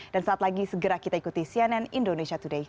dan saat lagi segera kita ikuti cnn indonesia today